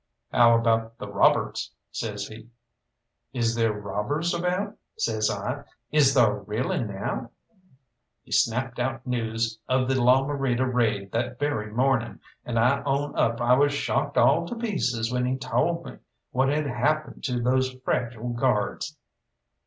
"How about the robbers?" says he. "Is there robbers about?" says I. "Is thar really now?" He snapped out news of the La Morita raid that very morning, and I own up I was shocked all to pieces when he told me what had happened to those fragile guards.